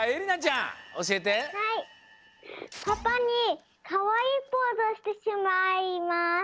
パパにかわいいポーズをしてしまいます。